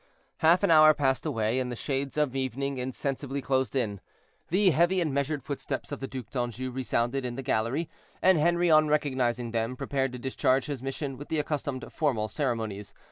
Half an hour passed away, and the shades of evening insensibly closed in. The heavy and measured footsteps of the Duc d'Anjou resounded in the gallery, and Henri, on recognizing them, prepared to discharge his mission with the accustomed formal ceremonies.